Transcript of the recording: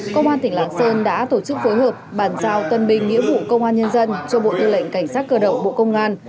công an tỉnh lạng sơn đã tổ chức phối hợp bàn giao tân binh nghĩa vụ công an nhân dân cho bộ tư lệnh cảnh sát cơ động bộ công an